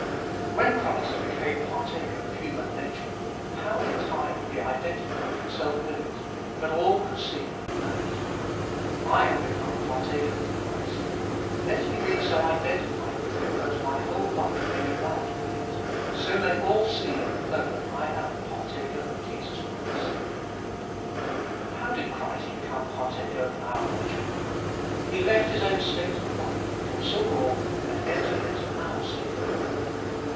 1. When Christ became partaher of human nature, how entirely He identified Himself with It, that all could see and know It. I am become partaher of Christ: let me be so identified with Him that my whole life may be marked by it. So may all see and know that I am partaher of Jesus Christ. 2. How did Christ become partaher of our nature ? He left His own state of life, forsooh all, and entered into our state of life.